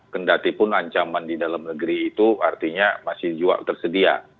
kendatipun ancaman di dalam negeri itu artinya masih juga tersedia